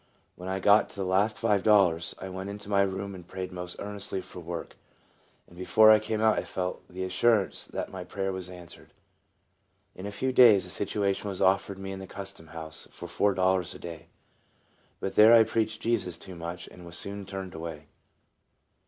When I got to the last five dollars, I went into my room and prayed most earnestly for work, and before I came out I felt the assurance that my prayer was answered. In a few days a situation was offered me in the Custom House for four dollars a day. But there I preached Jesus too much, and was soon turned away.